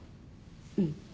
うん。